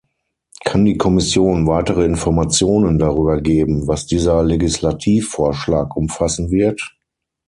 Kann die Kommission weitere Informationen darüber geben, was dieser Legislativvorschlag umfassen wird?